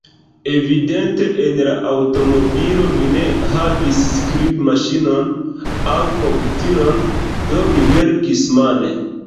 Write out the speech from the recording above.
Evidente en la aŭtomobilo mi ne havis skribmaŝinon aŭ komputilon, do mi verkis mane.